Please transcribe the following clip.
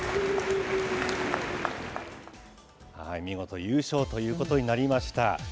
見事、優勝ということになりました。